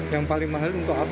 yang paling mahal untuk apa